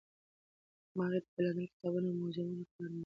ما هغې ته د لندن د کتابتونونو او موزیمونو په اړه معلومات ورکړل.